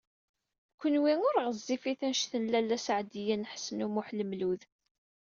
Kenwi ur ɣezzifit anect n Lalla Seɛdiya n Ḥsen u Muḥ Lmlud.